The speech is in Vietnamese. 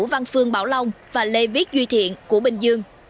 văn phương bảo long và lê viết duy thiện của bình dương